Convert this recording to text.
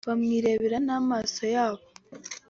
bamwirebera n’amaso yabo